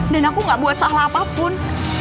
dan aku gak buat salah apapun